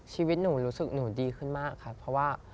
ชีวิตหนูรู้สึกหนูดีขึ้นมากค่ะเพราะว่า